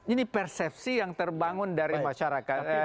ini persepsi yang terbangun dari masyarakat